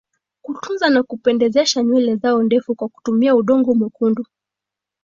Kutunza na kupendezesha nywele zao ndefu kwa kutumia udongo mwekundu